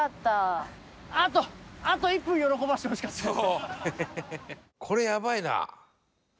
あとあと１分喜ばしてほしかったよね。